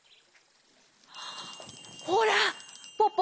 ほらポポ